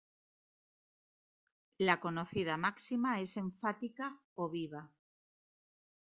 La conocida máxima es enfática, o viva.